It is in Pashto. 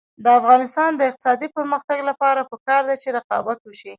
د افغانستان د اقتصادي پرمختګ لپاره پکار ده چې رقابت وشي.